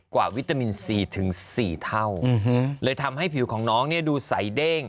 กว่าวิตามินซีถึง๔เท่าเลยทำให้ผิวของน้องดูใสเด้ง